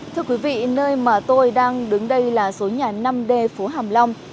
thưa quý vị nơi mà tôi đang đứng đây là số nhà năm d phố hàm long